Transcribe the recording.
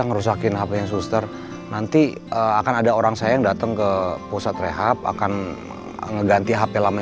ngerusakin hp suster nanti akan ada orang sayang datang ke pusat rehab akan ngeganti hp lamanya